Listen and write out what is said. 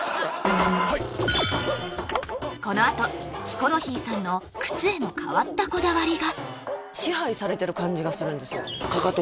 このあとヒコロヒーさんの靴への変わったこだわりが！